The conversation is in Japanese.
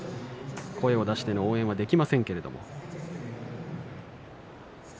声を出しての応援ができませんけれども。